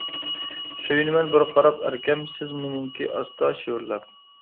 سۆيۈنىمەن بىر قاراپ ئەركەم، «سىز مېنىڭكى. » ئاستا شىۋىرلاپ.